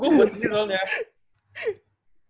yang pertama plati kan platik